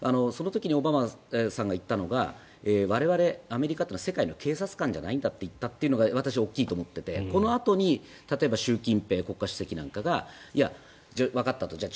その時にオバマさんが言ったのが我々、アメリカというのは世界の警察官じゃないんだと言ったというのが私、大きいと思っていてこのあとに例えば習近平国家主席なんかがいや、わかったと。